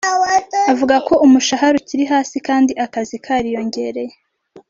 Avuga ko umushahara ukiri hasi kandi akazi kariyongereye